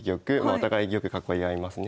お互い玉囲い合いますね。